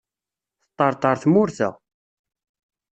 Teṭṭerṭer tmurt-a.